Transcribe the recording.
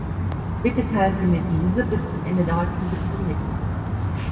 Bitte teilen Sie mir diese bis zum Ende der heutigen Sitzung mit.